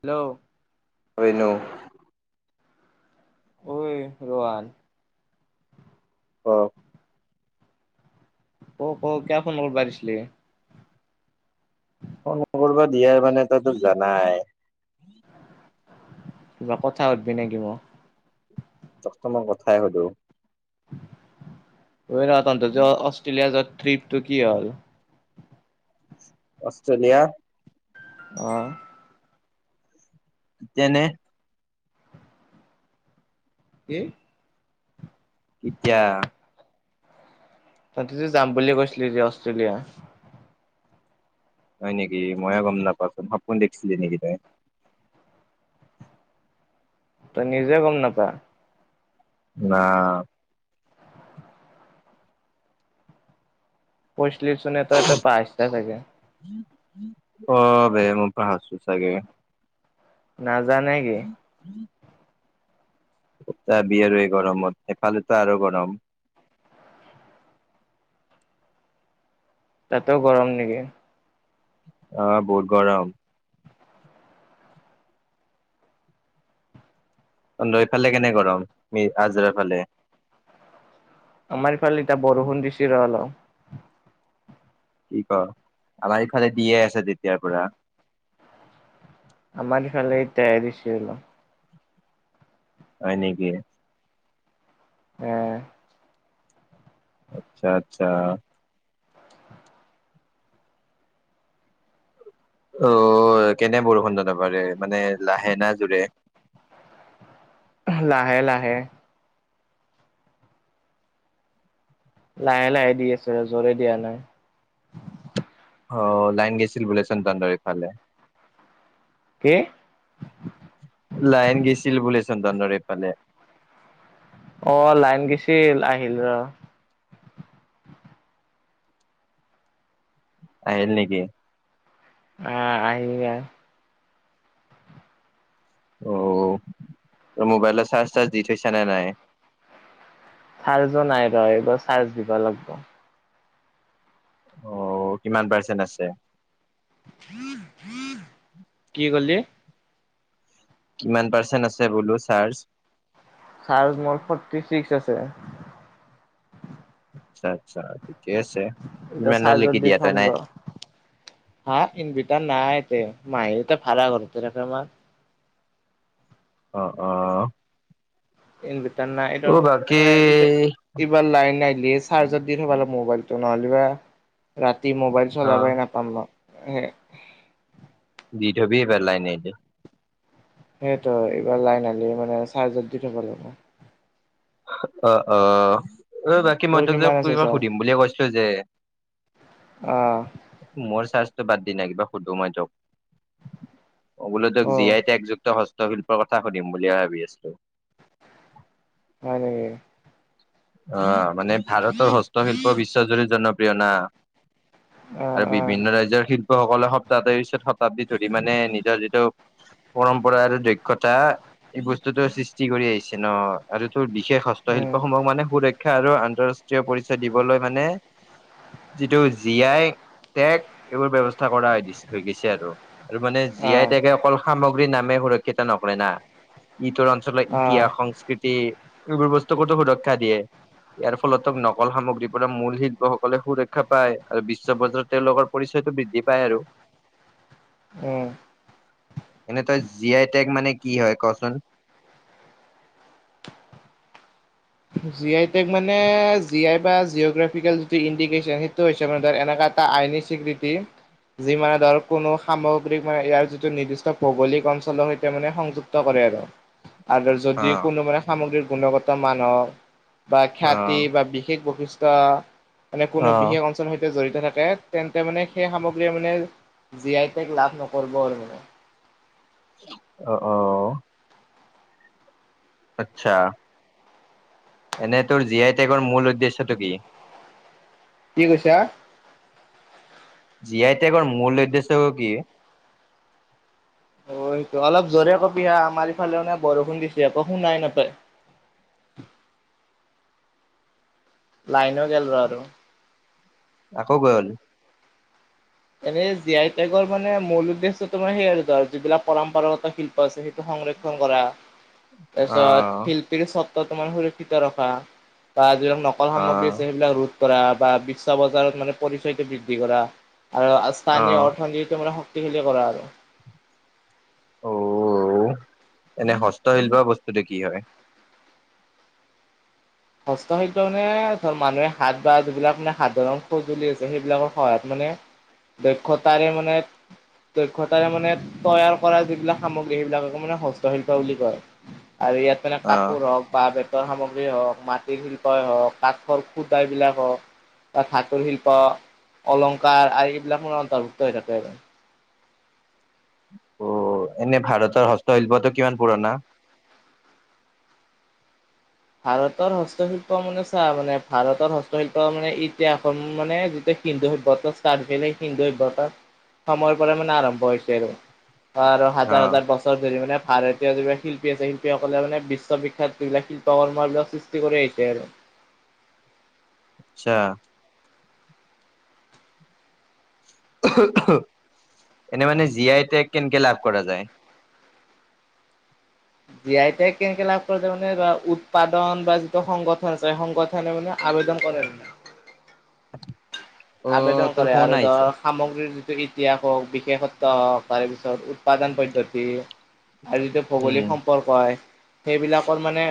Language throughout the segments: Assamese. হেল্ল'। [unintelligible] ঐ ৰোৱাল? [inaudible] অঁ' ক' ক' কিয় ফোন কৰিবা দিছিল? ফন কৰিব দিয়ে মানে তই তোক জানাই। কিবা কথা সধবি নেকি মোক? তোক তো মই কথাই সোধো। ৰা তন্ত য অষ্ট্ৰেলিয়া যাত ট্ৰিপটো কি হ'ল? [inaudible] অষ্ট্ৰেলিয়া? অ' তেনে কি? এতিয়া? তহঁতি যে যাম বুলি কৈছিলে অষ্ট্ৰেলিয়া। হয় নেকি মইয়ে গম নাপওঁ সাপোন দেখিছিলি নেকি তই? তই নিজে গম নাপা। না। পচলছোন এটা এ পচটা চাগে। [inaudible] অ', বে মই পাহৰিছোঁ চাগে। নাজানে কি? [unintelligible] আৰু এই গৰমত এফালেতো আৰু গৰম। [inaudible] তাতো গৰম নেকি? অ', বহুত গৰম। তহঁতৰ হেইফালে কেনে গৰম আজৰা ফালে? আমাৰ ইফালে এতিয়া বৰষুণ দিছি ৰ অলপ। কি ক আমাৰ ইফালে দিয়ে আছে তেতিয়াৰ পৰা। আমাৰ ইফালে এতিয়া এৰিছে অলপ। হয় নেকি? উম'। আচ্ছা আচ্ছা। অ', কেনে বৰষুণ জ ন পাৰে মানে লাহে না জোৰে? লাহে লাহে। লাহে লাহে দি আছে, জোৰে দিয়া নাই। অ', লাইন গেছিল বুলেচোন তহতৰ এইফালে। কে? লাইন গেছিল বুলেচোন তহতৰ এইফালে। অ', লাইন গেছিল আহিল। আহিল নেকি? আ, আহিলে ইয়াত। অ', ত মোবাইল চাৰ্জ চাৰ্জ দি থৈছা নে নাই? চাৰ্জো নাই ৰ, এইবাৰ চাৰ্জ দিব লাগিব। অ', কিমান পাৰ্চেণ্ট আছে? কি কলি? কিমান পাৰ্চেণ্ট আছে বোলো চাৰ্জ? চাৰ্জ মোৰ ফৰ্টি ছিক্স আছে। আচ্ছা আচ্ছা, ঠিকে আছে এতিয়া চাৰ্জত ইমানলৈকি দি দিয়া তই থম নাই। ৰ। হা ইনভিটাৰ নাই তে, মাহিৰিতি ভাৰা ঘৰতে থাকে আমাৰ। অ', অ'। ইনভিটাৰ নাই ৰ অ বাকী [inaudible] এইবাৰ লাইন আহিলিয়ে চাৰ্জত দি থব মোবাইলটো নহলেবা ৰাতি মোবাইল অ চলাবই নাপাম ন সেই দি থবি পেলাই এনেকে। সেইটো এইবাৰ লাইন আহিলে মানে চাৰ্জত দি থব লাগিব। অ, অ, ৰবা কি মই তোৰ তোক যে কিমান আছে কিবা চাৰ্জ? সুধিম বুলিয়ে কৈছিলো যে? আহ মোৰ চাৰ্জটো বাদ দি নাই কিবা সুধো মই তোক? অ বোলো তোক জি আই একযুক্ত হস্তশিল্পৰ কথা সুধিম বুলিহে ভাবি আছিলো। হয় নেকি? অ মানে ভাৰতৰ হস্তশিল্প বিশ্বজুৰি জনপ্ৰিয় না। আহ আৰু আহ বিভিন্ন ৰাজ্যৰ শিল্পসকলে শতাব্দী পিছত শতাব্দী ধৰি মানে নিজৰ যিটো পৰম্পৰা আৰু দক্ষতা এই বস্তুটো সৃষ্টি কৰি আহিছে ন আৰু এই তোৰ বিশেষ হ উম হস্তশিল্পসমূহক মানে সুৰক্ষা আৰু আন্তৰাষ্ট্ৰীয় পৰিচয় দিবলৈ মানে যিটো জী আই টেগ এইবোৰ ব্যৱস্থা কৰা দি হৈ গৈছে আৰু। আৰু মানে জী আহ আই টেকে অকল সামগ্ৰীৰ নামে সুৰক্ষিত নকৰে না, ই তৰ অন আচলতে আহ ইতিহাস, সংস্কৃতি এইবোৰ বস্তুকতো সুৰক্ষা দিয়ে। ইয়াৰ ফলত নকল সামগ্ৰীৰ পৰা মূল শিল্পসকলে সুৰক্ষা পায় আৰু বিশ্ব বজাৰত তেওঁলোকৰ পৰিচয়টো বৃদ্ধি পায় আৰু। উম। এনেই তই জি আই টেক মানে কি হয় কচোন? জি আই টেক মানে জি আই বা জিঅগ্ৰাফিকেল যিটো ইণ্ডিকেশ্যন সেইটো হৈছে মানে এনেকুৱা এটা আইনি স্বীকৃতি যি মানে ধৰ কোনো সামগ্ৰীক মানে ইয়াৰ যিটো নিৰ্দিষ্ট ভৌগোলিক অঞ্চলক সৈতে মানে সংযুক্ত কৰে আৰু। আৰু অ যদি কোনো মানে সামগ্ৰীৰ গুণগত মানক বা অ খ্যাতি বা বিশেষ বৈশিষ্ট্য মানে কোনো অ বিশেষ অঞ্চলৰ সৈতে জড়িত থাকে। তেন্তে মানে সেই সামগ্ৰীয়ে মানে, জি, আই, টেক, লাভ নকৰিব আৰু মানে অ, অ, আচ্ছা। এনে তোৰ, জি, আই, টেগৰ, মূল উদ্দেশ্যটো কি? কি কৈছা? জি, আই, টেকৰ, মূল উদ্দেশ্য কি? হয়টো, অলপ জোৰে কবি হা, আমাৰ ইফালে মানে বৰষুণ দিছে, একো শুনাই নাপায়। লাইনো, গেল ৰ, আৰু। আকৌ গ'ল। এনেই জি, আই, টেগৰ মানে মূল উদ্দেশ্যতো মানে সেই, আৰু ধৰ, যিবিলাক পৰম্পৰাগত শিল ল্প, আছে সেইটো সংৰক্ষণ কৰা। অ তাৰপিছত শিল্পীৰ সত্ব, তোমাৰ সুৰক্ষিত ৰখা বা, যি কল অ সামগ্ৰী আছে সেইবিলাক ৰোধ কৰা, বা বিশ্ব বজাৰত মানে পৰিচয়টো বৃদ্ধি কৰা। আৰু অ স্থানীয় অৰ্থনীতি তোমাৰ শক্তিশালী কৰা আৰু। অ, এনে হস্তশিল্প বস্তুটো কি হয়? হস্ত শিল্প, মানে ধৰ মানুহে হাত বা যিবিলাক মানে সাধাৰণ সঁজুলি আছে, সেইবিলাকৰ সহায়ত মানে দক্ষতাৰে মানে দক্ষতাৰে মানে তৈয়াৰ কৰা যিবিলাক সামগ্ৰী, সেইবিলাককে মানে হস্তশিল্প বুলি কয়। আৰু ইয়াত মানে অ কাপোৰ হওঁক বা বেতৰ সামগ্ৰীয়ে হওঁক মাটিৰ শিল্পই হওঁক, কাঠৰ খুটা বিলাক হওঁক তাত ধাতুৰ শিল্প, অলংকাৰ আৰু এইবিলাক মানে অন্তৰ্ভুক্ত হৈ থাকে, আৰু। অ, এনে ভাৰতৰ হস্তশিল্পটো কিমান পুৰণা? ভাৰতৰ হস্তশিল্প মানে চা, মানে ভাৰতৰ হস্তশিল্প মানে এতিয়া অসম মানে যেতিয়া হিন্দু সভ্যতা ষ্টাৰ্ট হৈ, হিন্দু সভ্যতা, সময়ৰ পৰা মানে আৰম্ভ হৈছে আৰু আৰু অ হাজাৰ-হাজাৰ বছৰ ধৰি মানে ভাৰতীয় যিবিলাক শিল্পী আছে, শিল্পীসকলে মানে বিশ্ববিখ্যাত যিবিলাক শি [unintelligible] সৃষ্টি কৰি আহিছে আৰু। আচ্ছা। [inaudible] এনে মানে জি, আই, টেগ, কেনেকে লাভ কৰা যায়। জি, আই, টেগ, কেনেকে লাভ কৰে যে মানে, উৎপাদন বা যিটো সংগঠন আছে সেই সংগঠন সে, মানে আবেদন কৰে। [inaudible] আবেদন তোৰ কৰে, ফোন আৰু আহিছে। ধৰ সামগ্ৰীৰ যিটো ইতিহাস হ'ওক, বিশেষত্ব হ'ওক, তাৰপিছত উৎপাদন পদ্ধতি। আৰু যিটো উম ভৌগোলিক সম্পৰ্ক হয়, সেইবিলাকৰ মানে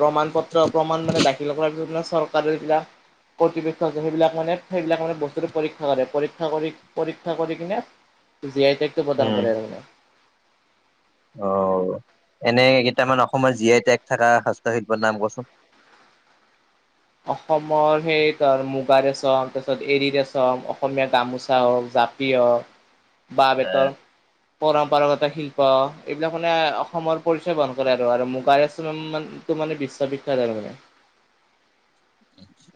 প্ৰমাণ পত্ৰ, প্ৰমাণ মানে দাখিল কৰাৰ পিছতে চৰকাৰৰ এইবিলাক, কৰ্তৃপক্ষ আচনি বিলাক মানে সেইবিলাক মানে বস্তু পৰীক্ষা কৰে, পৰীক্ষা কৰি পৰীক্ষা কৰি কিনে, জীয়াই থাকি প্ৰদান উম কৰে আৰু এই অ, এনে কেইটামান অসমৰ জি, আই, টেগ, থকা হস্তশিল্পৰ নাম কোৱাচোন? অসমৰ সেই, মুগা ৰেচম, তাৰপিছত এৰী ৰেচম, অসমীয়া গামোচা হ'ওক জাপ পি, হ'ক, বাহ বেতৰ পৰম্পৰাগত শিল্প, এইবিলাক মানে অসমৰ পৰিচয় বহন কৰে আৰু আৰু মুগাৰ আন টো, মানে বিশ্ববিখ্যাত আৰু মানে।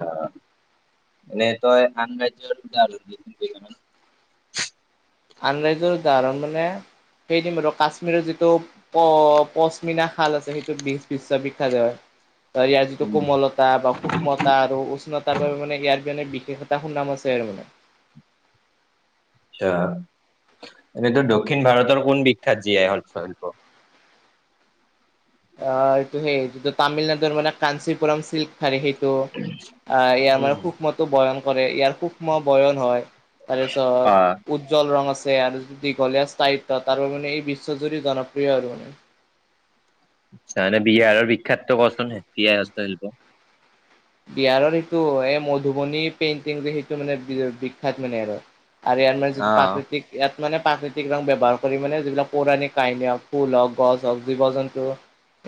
অ, এনে তই, আন ৰাজ্য [inaudible] আনৰাইজৰ উদাহৰণ মানে, সেইদম আৰু কাশ্মীৰৰ যিটো অ, পশ্মিনা খাল আছে, সেইটোত বিশ-বিশ্ববিখ্যাত হয়। ইয়াৰ যিটো কোমলতা বা সূক্ষ্মতা আৰু উষ্ণ তাৰ বাবে মানে ইয়াৰ মানে বিশেষ এটা সুনাম আছে আৰু মানে। এয়া, এনেইতো দক্ষিণ ভাৰতৰ কোন বিখ্যাত জী আই অল্প শিল্প? আঁ, এইটো সেই যিটো তামিলনাডুৰ মানে কাঞ্চিপুৰম চিল্ক শাৰী সেইটো, আহ এই আমাৰ সূক্ষ্মতটো বয়ন কৰে, ইয়াৰ সূক্ষ্ম বয়ন হয়। আৰু অ চহৰত। উজ্জ্বল ৰং আছে আৰু দীঘলীয়া স্থায়িত্ব তাৰ সলনি এই বিশ্বজুৰি জনপ্ৰিয় আৰু মানে তাহলে বিহাৰৰ বিখ্যাতটো কছোন, জি আই হস্ত শিল্প। বিহাৰৰ এইটো এ মধুবনী পেইন্টিং যে সেইটো মানে বিখ্যাত মানে আৰ। আৰু ইয়াৰ মানে যিটো, অ প্ৰাকৃতিক ইয়াত মানে প্ৰাকৃতিক ৰং ব্যৱহাৰ কৰি মানে যিবিলাক পৌৰাণিক কাহিনী হওঁক ফুল হওঁক, গছ হওঁক, জীৱ জন্তু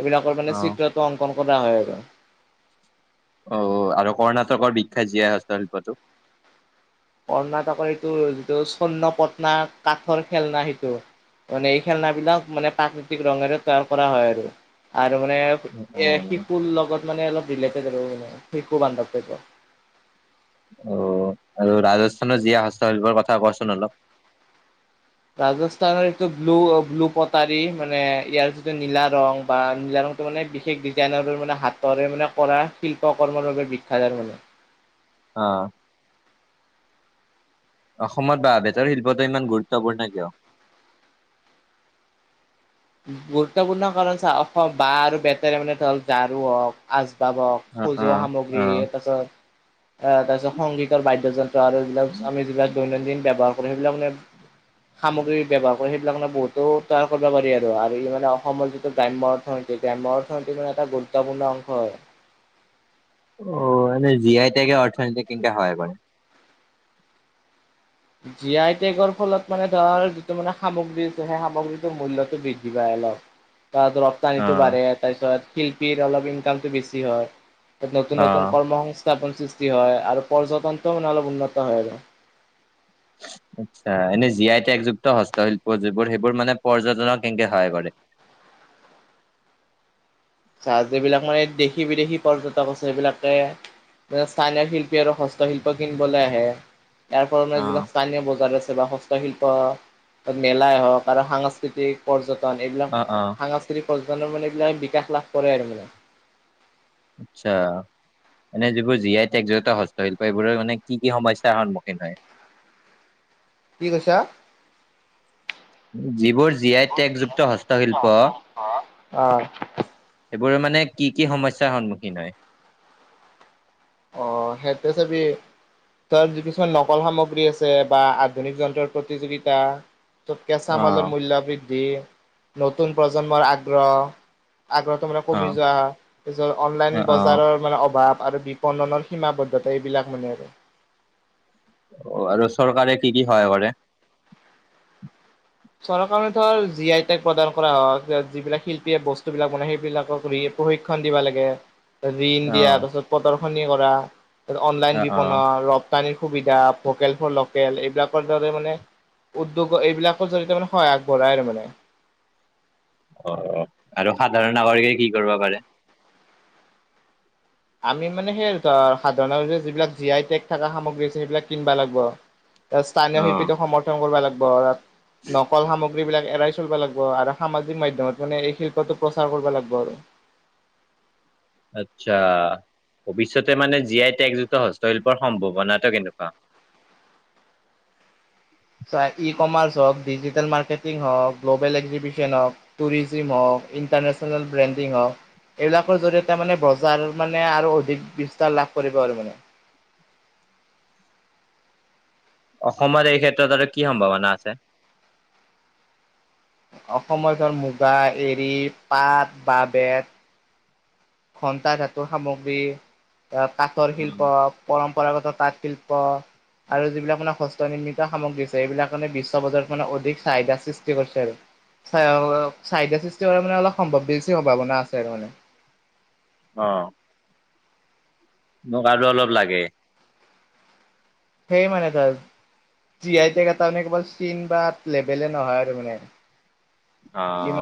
এবিলাকৰ মানে অ চিত্ৰটো অংকন কৰা হয় আৰু। অ'ও আৰু কৰ্ণাটকৰ বিখ্যাত জী আই হস্ত শিল্পটো? কৰ্ণাটকৰ ইটো যিটো স্বৰ্ণ পটনা কাঠৰ খেলনা সেইটো। মানে এই খেলনা বিলাক মানে প্ৰাকৃতিক ৰঙেৰে তৈয়াৰ কৰা হয় আৰু, আৰু মানে অ এ শিশুৰ লগত মানে অলপ ৰিলেটেড আৰু মানে শিশু বান্ধবদব্য। অ' আৰু ৰাজস্থানৰ জী আই হস্তশিল্পৰ কথা কোৱাচোন অলপ। ৰাজস্থানৰ এইটো ব্লু, ব্লু পটাৰী। মানে ইয়াৰ যিটো নীলা ৰং বা নীলা ৰং টো মানে বিশেষ ডিজাইনৰ মানে হাতৰে মানে, কৰা শিল্প কৰ্মৰ বাবে বিখ্যাত আৰু মানে। আঁ। অসমত বাঁহ- বেতৰ শিল্পটো ইমান গুৰুত্বপূৰ্ণ কিয়? গুৰুত্বপূৰ্ণ কাৰণ চা, অসম বাঁহ আৰু বেতেৰে মানে ধৰক ঝাৰু হওঁক। আছ বাব হওঁক, অ অ সজোৱা সামগ্ৰী অ তাৰছত অঁ তাৰছত সংগীতৰ বাদ্যযন্ত্ৰ আৰু এইবিলাক আমি যিবিলাক দৈনন্দিন ব্যৱহাৰ সেইবিলাক মানে, সামগ্ৰী ব্যৱহাৰ কৰি সেইবিলাক মানে বহুতো তৈয়াৰ কৰিব পাৰি আৰু। ত আৰু ই মানে অসমৰ যিটো গ্ৰাম্য অৰ্থনীতি, গ্ৰাম্য অৰ্থনীতি মানে এটা গুৰুত্বপূৰ্ণ অংশ হয়। অ' এনেই জি আই টেগে অৰ্থনীতিক কেনকে সহায় কৰে? জি আই টেগৰ ফলত মানে ধৰ, যিটো মানে সামগ্ৰীৰ যে সেই সামগ্ৰীটোৰ মূল্যতটো বৃদ্ধি পায় অলপ। বা ধৰক অ নীটো বাঢ়ে। তাপিছত শিল্পীৰ অলপ ইনকামতটো বেছি হয়। নতুন অ নতুন কৰ্ম সং স্থাপন সৃষ্টি হয় আৰু পৰ্যতনটো মানে অলপ উন্নত হয় আৰু। উ [inaudible] আচ্ছা। এনেই জি আই ত্যেগযুক্ত হস্তশিল্প, যিবোৰ সেইবোৰ মানে পৰ্যটনত কেনকে সহায় কৰে? চা, যিবিলাক মানে দেশী বিদেশী পৰ্যটক আছে সেইবিলাকে তাতে স্থানীয় শিল্পী আৰু হস্তশিল্প কিনবলে আহে। ইয়াৰ ফলত অ মানে, যিবিলাক স্থানীয় বজাৰ আছে বা হস্তশিল্প মেলাই হওঁক, আৰু সাংস্কৃতিক পৰ্যটন, এইবিলাক অ' সাংস্কৃতিক পৰ্যটনৰ মানে এইবিলাক বিকাশ লাভ কৰে আৰু মানে। আচ্ছা। এনেই যিবোৰ জি আই টোগযুক্ত হস্তশিল্প এইবোৰৰ মানে কি কি সমস্যাৰ সন্মুখীন হয়? কি কৈছা? যিবোৰ যিবোৰ জি টেগযুক্ত আই হস্তশিল্প তেগযুক্ত হস্তশিল্প, অঁ। সেইবোৰে মানে কি কি সমস্যাৰ সন্মুখীন হয়? অ' সেইটোৱে চাবি তাত যি কিছুমান নকল সামগ্ৰী আছে, বা আধুনিক যন্ত্ৰৰ প্ৰতিযোগিতা ত'ত কেঁচা অ মালৰ মূল্য বৃদ্ধি নতুন প্ৰজন্মৰ আগ্ৰহ, আগ্ৰহটো মানে - অ কমি যোৱা তাৰ পাছত অনলাইন অ বজাৰৰ অ মানে অভাৱ আৰু- বণনৰ সীমাবদ্ধতা এইবিলাক মানে আৰু। অঁ আৰু চৰকাৰে কি কি সহায় কৰে? চৰকাৰে ধৰ জি আই টাগ প্ৰদান কৰা হওক যিবিলাক শিল্পীয়ে বস্তুবিলাক বনায় সেইবিলাকক প্ৰশিক্ষণ দিবা লাগে। ঋণ অ দিয়া তাৰপিছত প্ৰদৰ্শনী কৰা তাৰপিছত অনলাইন অ অ বিপণাৰ তানীৰ সুবিধা, ভোকেল ফৰ লোকেল। এইবিলাকৰ দৰে মানে উদ্যোগ এইবিলাক- ত' জৰিতে মানে হয় আগবঢ়াই আৰু মানে। অহ-অহ' আৰু সাধাৰণ নাগৰিকে কি কৰিব পাৰে? আমি মানে সেই সাধাৰণ যে যিবিলাক জি আই থকা সামগ্ৰী আছে সেইবিলাক কিনবা লাগিব। স্থানীয় অ শিল্পীটোক সমৰ্থন কৰিব লাগিব। নকল সামগ্ৰী বিলাক এৰাই চলিব লাগিব আৰু সামাজিক মাধ্যমত মানে এই শিল্পটো প্ৰচাৰ কৰিব লাগিব আৰু। আচ্ছা' ভৱিষ্যতে মানে জি আই একজুট হস্তশিল্পৰ সম্ভাৱনাটো কেনেকুৱা? চোৱা ই কমাৰ্চ হওক, ডিজিটেল মাৰ্কেটিং হওক, গ্ল'বেল এক্সিবশন হওক- টুৰিজিম হওক, ইণ্টাৰনেশ্যনেল ব্ৰেণ্ডিং হওক- এইবিলাকৰ জৰি়য়তে মানে বজাৰৰ মানে আৰু অধিক বিস্তাৰ লাভ কৰিব আৰু মানে। অসমৰ এই ক্ষেত্ৰত আৰু কি সম্ভাৱনা আছে? অসমৰ ধৰ মুগা, এৰি, পাত, বা বেত- ঘন্টা ধাতুৰ সামগ্ৰী, কাঠৰ উম, শিল্প- পৰম্পৰাগত তাঁতশিল্প- আৰু যিবিলাক মানে হস্ত নিৰ্মিত সামগ্ৰী আছে এইবিলাকে বিশ্ব বজাৰ মানে অধিক চাহিদা সৃষ্টি কৰিছে আৰু। চা' চাহিদা সৃষ্টি কৰা মানে অলপ সম্ভৱ বেছি সম্ভাৱনা আছে আৰু মানে। অঁ। মোক আৰু অলপ লাগে। সেই মানে তাৰ জি আই টে এটা মানে [unintelligible] বা লেভেলে নহয় আৰু মানে। ই অঁ।